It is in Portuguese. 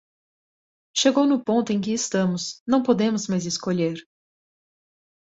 Chegou no ponto em que estamos, não podemos mais escolher.